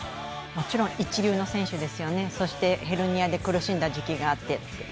もちろん一流の選手ですよね、そしてヘルニアで苦しんだ時期があってと。